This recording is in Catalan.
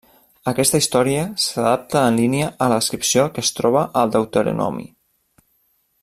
Aquesta història s'adapta en línia a la descripció que es troba al Deuteronomi.